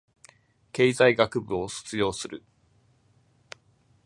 経済学部を卒業する